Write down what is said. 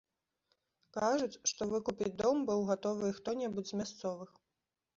Кажуць, што выкупіць дом быў гатовы і хто-небудзь з мясцовых.